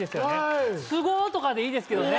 はい「すごっ」とかでいいですけどね